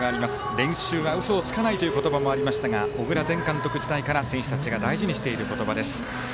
練習はうそをつかないという話もありましたが小倉前監督時代から選手たちが大事にしている言葉です。